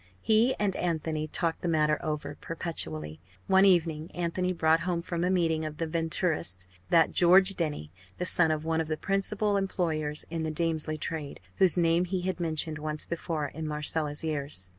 He and Anthony talked the matter over perpetually. One evening Anthony brought home from a meeting of the Venturists that George Denny, the son of one of the principal employers in the Damesley trade, whose name he had mentioned once before in Marcella's ears.